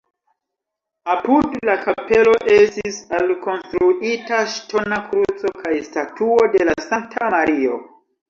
Apud la kapelo estis alkonstruita ŝtona kruco kaj statuo de la sankta Mario.